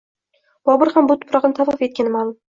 Bobur ham bu tuproqni tavof etgani ma’lum.